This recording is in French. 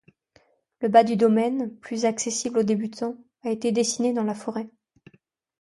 Le bas du domaine, plus accessible aux débutants, a été dessiné dans la forêt.